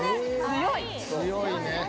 強いね。